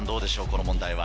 この問題は。